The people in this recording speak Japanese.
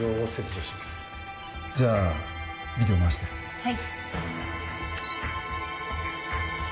はい。